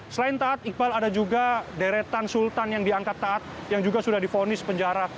selain taat iqbal ada juga deretan sultan yang diangkat taat yang juga sudah difonis penjara